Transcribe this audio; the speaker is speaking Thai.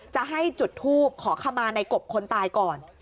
จะให้จุดทูบขอขมาในกบคนตายก่อน